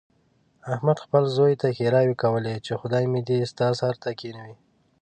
احمد خپل زوی ته ښېراوې کولې، چې خدای مې دې ستا سر ته کېنوي.